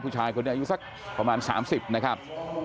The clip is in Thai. ผู้ชายคนนี้อายุสักประมาณ๓๐นะครับ